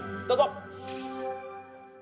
どうぞ！